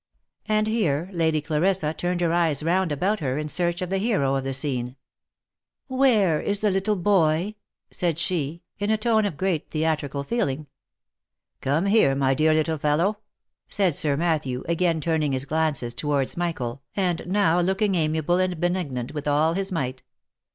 And here Lady Clarissa turned her eyes round about her in search of the hero of the scene. " W T here is the little boy ?" said she, in a tone of great theatrical feeling. " Come here, my dear little fellow !" said Sir Matthew, again turning his glances towards Michael, and now looking amiable and benignant with all his might.